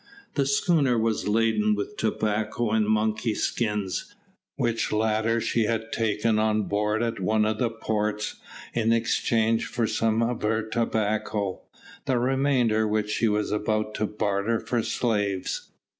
The schooner was laden with tobacco and monkey skins, which latter she had taken on board at one of the ports, in exchange for some of her tobacco, the remainder of which she was about to barter for slaves.